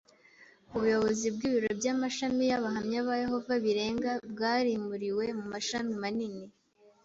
ubuyobozi bw ibiro by amashami y Abahamya ba Yehova birenga bwarimuriwe mu mashami manini